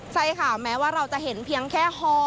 ใช่ค่ะแม้ว่าเราจะเห็นเพียงแค่ฮอ